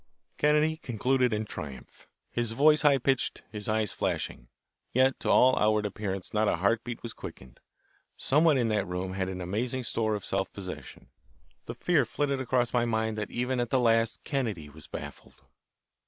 Kennedy concluded in triumph, his voice high pitched, his eyes flashing. Yet to all outward appearance not a heart beat was quickened. Someone in that room had an amazing store of self possession. The fear flitted across my mind that even at the last Kennedy was baffled.